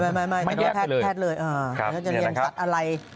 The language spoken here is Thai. ไม่แพทย์เลย